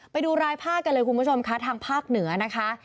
ไปดูรายภาคกันเลยคุณผู้ชมค่ะทางภาคเหนือนะคะ